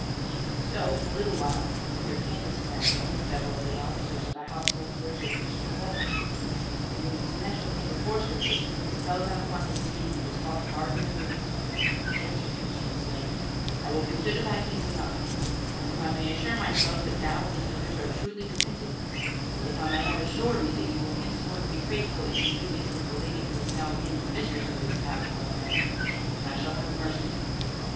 So, in a little while, there came the seneschal and several of the officers of the household to where Sir Tristram was, and when the seneschal came before Sir Tristram, he fell down upon his knees and besought pardon and mercy. [Sidenote: Sir Tristram talks with the castle help] Then Sir Tristram said: "I will consider thy case anon, and if I may assure myself that thou and these others are truly repentant, and if I may have assurity that ye will henceforth be faithful in your duty toward that lady who is now again the mistress of this castle and land, then I shall have mercy.